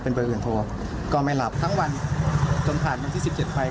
เบอร์อื่นโทรก็ไม่หลับทั้งวันจนผ่านวันที่สิบเจ็ดไป